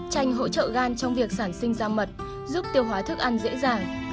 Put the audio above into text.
tranh hỗ trợ gan trong việc sản sinh da mật giúp tiêu hóa thức ăn dễ dàng